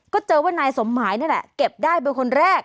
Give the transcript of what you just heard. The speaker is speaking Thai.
ก็เจอว่านายสมหมายนั่นแหละเก็บได้เป็นคนแรก